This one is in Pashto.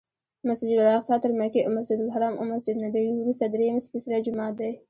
مسجدالاقصی تر مکې او مسجدالحرام او مسجدنبوي وروسته درېیم سپېڅلی جومات دی.